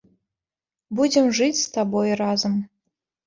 Будзем жыць з табой разам.